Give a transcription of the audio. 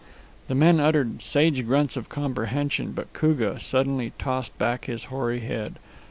The men uttered sage grunts of comprehension, but Koogah suddenly tossed back his hoary head.